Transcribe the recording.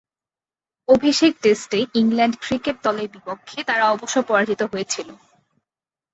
অভিষেক টেস্টে England cricket দলের বিপক্ষে তারা অবশ্য পরাজিত হয়েছিল।